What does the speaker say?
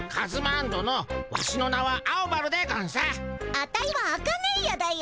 アタイはアカネイアだよ。